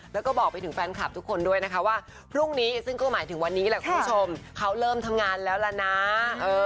แล้วก็บอกไปถึงแฟนคลับทุกคนด้วยนะคะว่าพรุ่งนี้ซึ่งก็หมายถึงวันนี้แหละคุณผู้ชมเขาเริ่มทำงานแล้วล่ะนะ